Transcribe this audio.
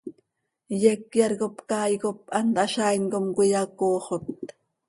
Yecyar cop caay cop hant hazaain com cöiyacoxot.